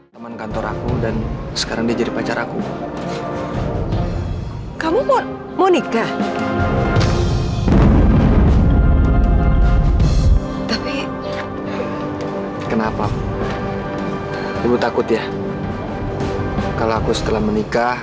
sampai jumpa di video selanjutnya